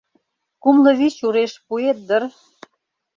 Кумлывичуреш пуэт дыр...